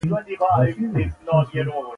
که څو دقیقې تنفس ونه کړای شي مري.